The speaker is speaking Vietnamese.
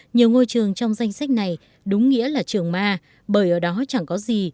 nhiều ngôi trường trong danh sách này đúng nghĩa là trường ma bởi ở đó chẳng có gì